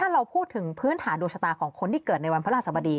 ถ้าเราพูดถึงพื้นฐานดูชะตาของคนที่เกิดในวันพระนหัสสัปดี